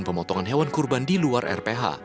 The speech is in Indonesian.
pemotongan hewan kurban di luar rph